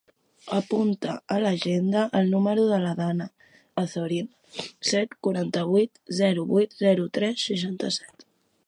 Apunta a l'agenda el número de la Dana Azorin: set, quaranta-vuit, zero, vuit, zero, tres, seixanta-set.